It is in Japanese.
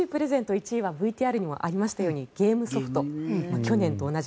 １位はＶＴＲにもありましたようにゲームソフト去年と同じ。